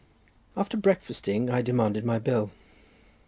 After breakfasting I demanded my bill.